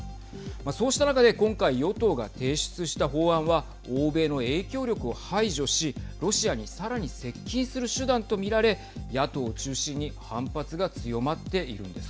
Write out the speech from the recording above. そうした中で今回、与党が提出した法案は欧米の影響力を排除しロシアにさらに接近する手段と見られ野党を中心に反発が強まっているんです。